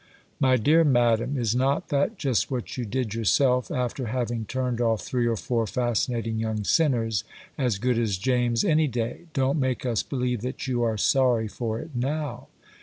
My dear Madam, is not that just what you did, yourself, after having turned off three or four fascinating young sinners as good as James any day? Don't make us believe that you are sorry for it now!